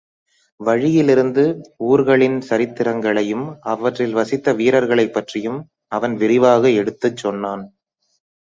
வழியிலிருந்து ஊர்களின் சரித்திரங்களையும் அவற்றில் வசித்த வீரர்களைப் பற்றியும் அவன் விரிவாக எடுத்துச் சொன்னான்.